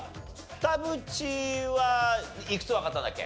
田渕はいくつわかったんだっけ？